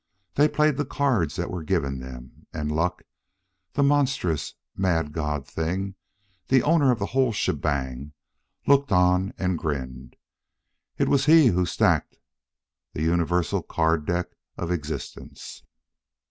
They played the cards that were given them; and Luck, the monstrous, mad god thing, the owner of the whole shebang, looked on and grinned. It was he who stacked the universal card deck of existence.